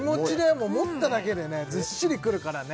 もう持っただけでずっしりくるからね・